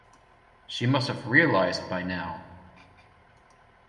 She must've realised by now.